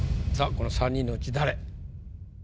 この三人のうち誰？